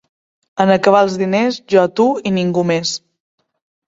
En acabar els diners, jo, tu, i ningú més.